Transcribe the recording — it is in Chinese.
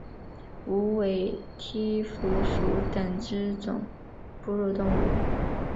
无尾蹄蝠属等之数种哺乳动物。